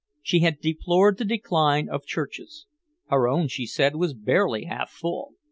She had deplored the decline of churches; her own, she said, was barely half full.